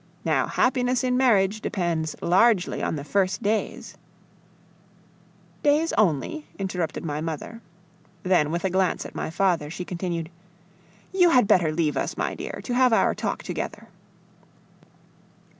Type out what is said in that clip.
Now, happiness in marriage depends largely on the first days " "Days only?" interrupted my mother. Then, with a glance at my father, she continued, "You had better leave us, my dear, to have our talk together."